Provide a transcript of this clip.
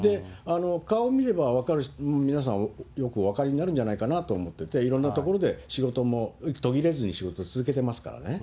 顔見れば皆さん、よくお分かりになるんじゃないかと思ってて、いろんなところで仕事も途切れずに仕事を続けてましたからね。